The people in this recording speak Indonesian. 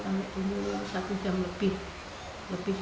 anak umur satu jam lebih